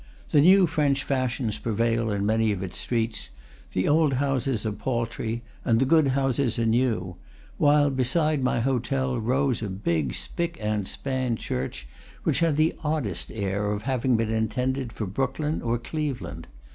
The new French fashions prevail in many of its streets; the old houses are paltry, and the good houses are new; while beside my hotel rose a big spick and span church, which had the oddest air of having been intended for Brooklyn or Cleveland.